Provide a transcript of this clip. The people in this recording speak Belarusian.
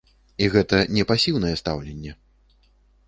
І гэта не пасіўнае стаўленне.